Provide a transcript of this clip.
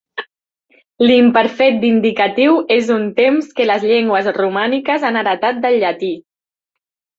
L'imperfet d'indicatiu és un temps que les llengües romàniques han heretat del llatí.